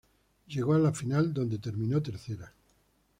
Llegó a la final, donde terminó tercera.